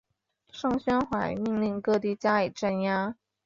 盛宣怀命令各地加以镇压。